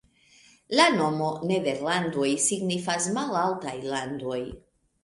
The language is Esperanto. La nomo "Nederlandoj" signifas "malaltaj landoj".